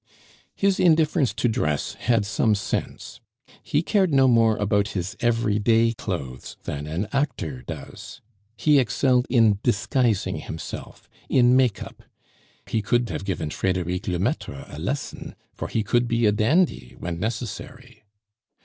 His indifference to dress had some sense. He cared no more about his everyday clothes than an actor does; he excelled in disguising himself, in "make up"; he could have given Frederic Lemaitre a lesson, for he could be a dandy when necessary.